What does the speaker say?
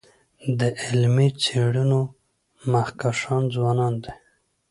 د علمي څيړنو مخکښان ځوانان دي.